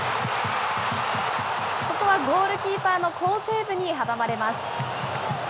ここはゴールキーパーの好セーブに阻まれます。